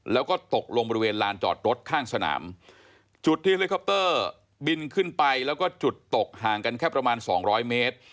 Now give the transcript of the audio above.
แล้วก็ตกลงบริเวณลานจอดรถข้างสนามจุดที่เฮลิคอปเตอร์บินขึ้นไปแล้วก็จุดตกห่างกันแค่ประมาณสองร้อยเมตร